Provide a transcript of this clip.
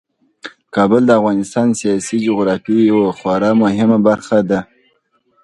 کابل د افغانستان د سیاسي جغرافیې یوه خورا مهمه برخه ده.